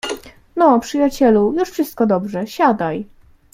"No, przyjacielu, już wszystko dobrze, siadaj."